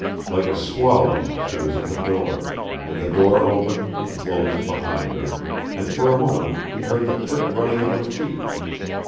Like a swallow she was at the door, and the door opened and closed behind her, and for a moment he heard the quick running of her feet.